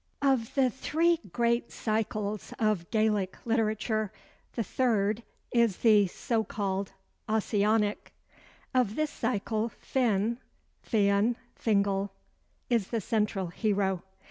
Of the three great cycles of Gaelic literature, the third is the (so called) Ossianic. Of this cycle Finn (Fionn, Fingal) is the central hero.